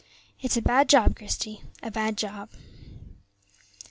It's a bad job, Christie, a bad job."